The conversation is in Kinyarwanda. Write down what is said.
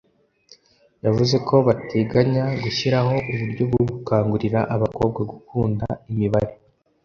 yavuze ko bateganya gushyiraho uburyo bwo gukangurira abakobwa gukunda imibare